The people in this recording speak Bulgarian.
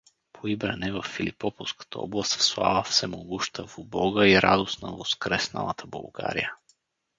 Поибрене във Филипополската Област в слава всемогущаго Бога и радост на воскресналата Болгария.